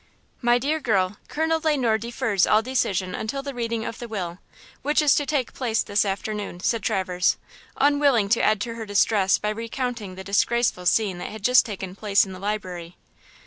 "My dear girl, Colonel Le Noir defers all decision until the reading of the will, which is to take place this afternoon," said Traverse, unwilling to add to her distress by recounting the disgraceful scene that had just taken place in the library.